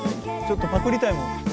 ちょっとパクりたいもん。